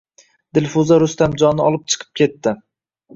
Dilfuza Rustamjonni olib chiqib ketdi.